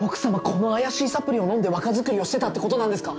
この怪しいサプリを飲んで若作りをしてたって事なんですか？